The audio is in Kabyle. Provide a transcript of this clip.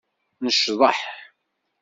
Necḍeḥ.